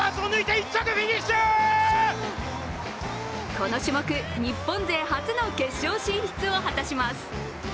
この種目、日本勢初の決勝進出を果たします。